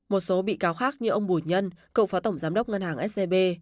một số bị cáo khác như ông bùi nhân cựu phó tổng giám đốc ngân hàng scb